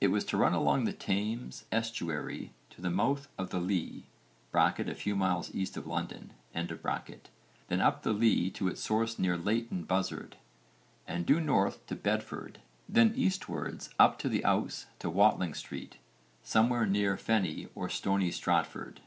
It was to run along the Thames estuary to the mouth of the Lea (a few miles east of London), then up the Lea to its source near Leighton Buzzard, then due north to Bedford, then eastwards up the Ouse to Watling St. somewhere near Fenny or Stony Stratford.